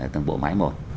từng bộ máy một